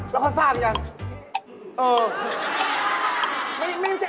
แล้วเขาสร้างหรือยังเออ